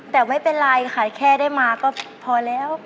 แต่ไม่เป็นไรค่ะแค่ได้มาก็พอแล้ว